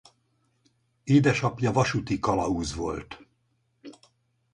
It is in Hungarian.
Édesapja vasúti kalauz volt.